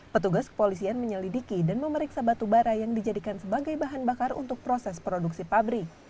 petugas kepolisian menyelidiki dan memeriksa batu bara yang dijadikan sebagai bahan bakar untuk proses produksi pabrik